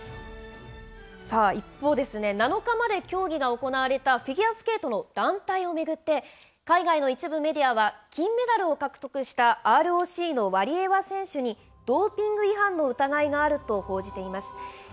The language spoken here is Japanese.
一方、７日まで競技が行われたフィギュアスケートの団体を巡って、海外の一部メディアは、金メダルを獲得したＲＯＣのワリエワ選手に、ドーピング違反の疑いがあると報じています。